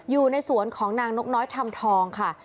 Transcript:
อยู่ในสวนของนางนกน้อยทำทองค่ะ